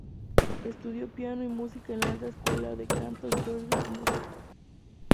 Estudió piano y música en la Alta Escuela de Canto George Enescu.